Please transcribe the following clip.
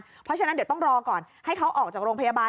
เพราะฉะนั้นเดี๋ยวต้องรอก่อนให้เขาออกจากโรงพยาบาล